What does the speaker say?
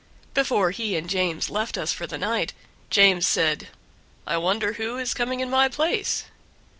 Before he and James left us for the night James said, "I wonder who is coming in my place."